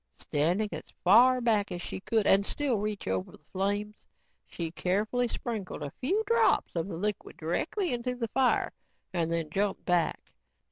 Standing as far back as she could and still reach over the flames, she carefully sprinkled a few drops of the liquid directly into the fire and then jumped back.